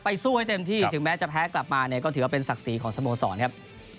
สู้ให้เต็มที่ถึงแม้จะแพ้กลับมาเนี่ยก็ถือว่าเป็นศักดิ์ศรีของสโมสรครับ